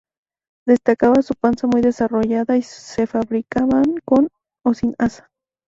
Destacaba su panza muy desarrollada y se fabricaban con o sin asa.